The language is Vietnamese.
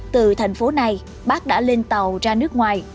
từ thành phố này bác đã lên tàu ra nước ngoài